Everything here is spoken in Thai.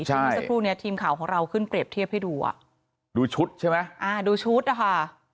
เมื่อสักครู่เนี้ยทีมข่าวของเราขึ้นเปรียบเทียบให้ดูอ่ะดูชุดใช่ไหมอ่าดูชุดนะคะ